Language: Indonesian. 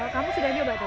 kamu sudah nyoba tadi